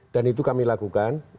dan itu kami lakukan